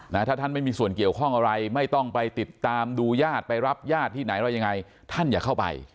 ถ้าท่านไม่มีส่วนเกี่ยวข้องอะไรไม่ต้องไปติดตามดูญาติไปรับญาติที่ไหนอะไรยังไงท่านอย่าเข้าไป